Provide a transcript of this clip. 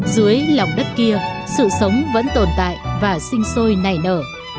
dưới lòng đất kia sự sống vẫn tồn tại và sinh sôi nảy nở